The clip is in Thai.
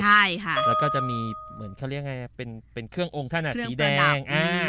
ใช่ค่ะแล้วก็จะมีเขาเรียกยังไงเป็นเครื่ององค์ท่านอ่ะสีแดง